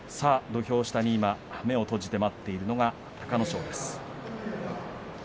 土俵下に、目を閉じて待っているのが隆の勝です。